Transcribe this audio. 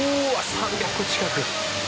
３００近く。